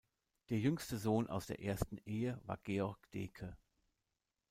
Der jüngste Sohn aus der ersten Ehe war Georg Deecke.